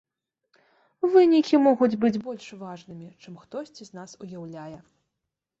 Вынікі могуць быць больш важнымі, чым хтосьці з нас уяўляе.